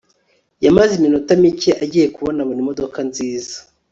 yamaze iminota mike agiye kubona abona imodoka nziza